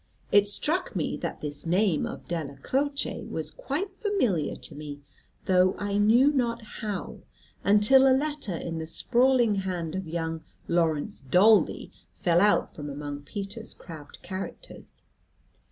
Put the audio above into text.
It struck me that this name of Della Croce was quite familiar to me, though I knew not how, until a letter in the sprawling hand of young Laurence Daldy fell out from among Peter's crabbed characters.